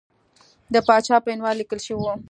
د پاچا په عنوان لیکل شوی وو.